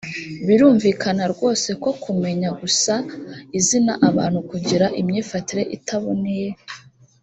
birumvikana rwose ko kumenya gusa izina abantu kugira imyifatire itaboneye